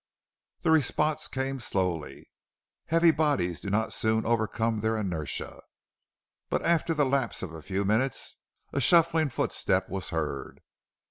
The response came slowly; heavy bodies do not soon overcome their inertia. But after the lapse of a few minutes a shuffling footstep was heard.